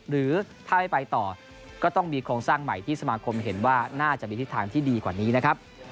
หรือถ้าไม่ไปต่อก็ต้องมีโครงสร้างใหม่ที่สมาคมเห็นว่าน่าจะมีทิศทางที่ดีกว่านี้นะครับ